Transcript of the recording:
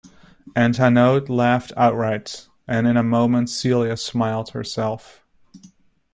And Hanaud laughed outright, and in a moment Celia smiled herself.